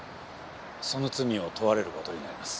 その罪を問われる事になります。